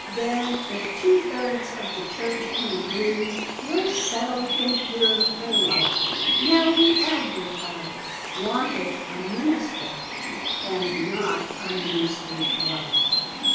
Then if two thirds of the church can agree, We'll settle him here for life; Now, we advertise, "Wanted, a Minister," And not a minister's wife.